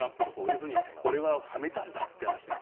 要するにこれははめたんだという。